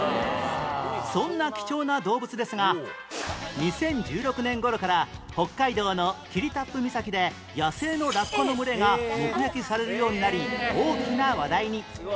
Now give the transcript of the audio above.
そんな貴重な動物ですが２０１６年頃から北海道の霧多布岬で野性のラッコの群れが目撃されるようになり大きな話題に